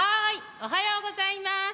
おはようございます。